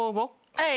はい。